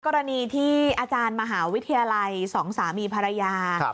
กรณีที่อาจารย์มหาวิทยาลัย๒สามีภรรยา